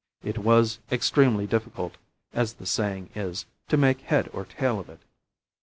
It was extremely difficult, as the saying is, to make head or tail of it.